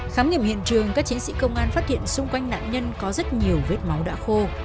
khám nghiệm hiện trường các chiến sĩ công an phát hiện xung quanh nạn nhân có rất nhiều vết máu đã khô